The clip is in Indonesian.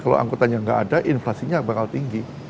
kalau angkutan yang nggak ada inflasinya bakal tinggi